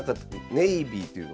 ネイビーっていうの？